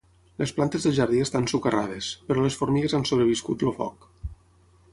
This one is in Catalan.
Les plantes del jardí estan socarrades, però les formigues han sobreviscut el foc.